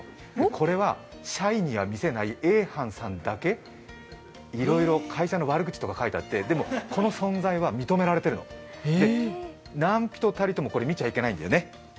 これは社員には見せないＡ班さんだけ、いろいろ会社の悪口とか書いてあって、でもこの存在は認められてるの、でこれ何人たりとも見ちゃいけないんだよね。